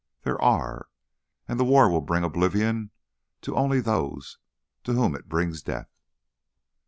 There are! And the war will bring oblivion to only those to whom it brings death."